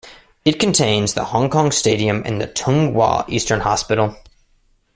It contains the Hong Kong Stadium and the Tung Wah Eastern Hospital.